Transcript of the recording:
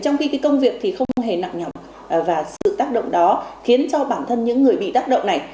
trong khi công việc thì không hề nặng nhỏng và sự tác động đó khiến cho bản thân những người bị tác động này